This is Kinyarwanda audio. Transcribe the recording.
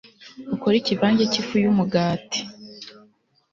ukore ikivange cyifu yumugati